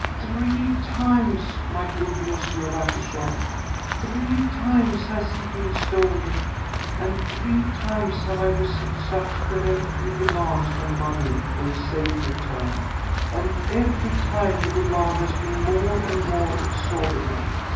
Three times, my good M. Ratichon, three times has he been stolen, and three times have I received such peremptory demands for money for his safe return; and every time the demand has been more and more exorbitant.